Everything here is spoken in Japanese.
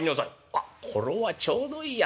「あっこれはちょうどいいや。